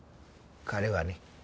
彼はね